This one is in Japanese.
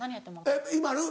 えっＩＭＡＬＵ？